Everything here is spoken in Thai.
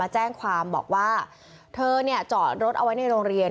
แจ้งความบอกว่าเธอจอดรถเอาไว้ในโรงเรียน